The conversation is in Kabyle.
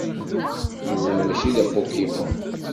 Yuba mačči d apokimon.